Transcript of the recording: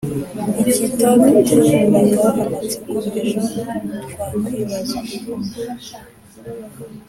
ikitaduteraga amatsiko, ejo twakwibaza